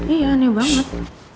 iya aneh banget